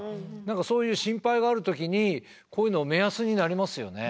そういう心配がある時にこういうの目安になりますよね。